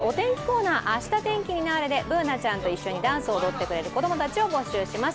こんな感じで「Ｎスタ」ではお天気コーナー、「あした天気になーれ！」でＢｏｏｎａちゃんと一緒にダンスを踊ってくれる子供たちを募集しています。